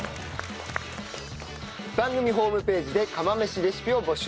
番組ホームページで釜飯レシピを募集しております。